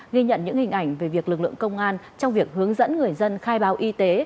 ghi nhận những hình ảnh về việc lực lượng công an trong việc hướng dẫn người dân khai báo y tế